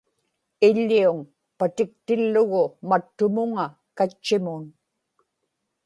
iḷḷiuŋ patiktillugu mattumuŋa katchimun